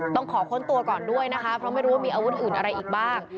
ต้องขอค้นตัวก่อนด้วยนะคะเพราะไม่รู้ว่ามีอาวุธอื่นอะไรอีกบ้าง